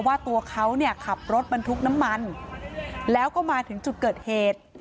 ว่าตัวเขาเนี่ยขับรถบรรทุกน้ำมันแล้วก็มาถึงจุดเกิดเหตุ